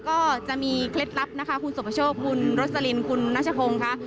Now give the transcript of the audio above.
ก็จะมีเคล็ดลับนะคะคุณสุประโชคคุณโรสลินคุณนัชพงศ์ค่ะ